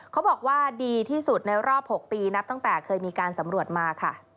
เขาบอกว่าดีที่สุดในรอบ๖ปีนับตั้งแต่เคยมีการสำรวจมาค่ะ